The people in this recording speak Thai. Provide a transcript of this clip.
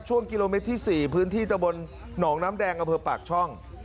ช่วงกิโลเมตรที่๔พื้นที่ตะบนหนองน้ำแดงอำเภอปากช่อง